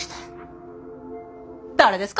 誰ですか？